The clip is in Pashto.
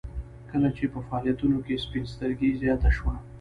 کله چې په فعالیتونو کې سپین سترګي زیاته شوه